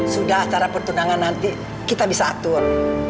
sudah secara pertunangan nanti kita bisa atur